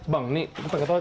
bang nih pengen ke toilet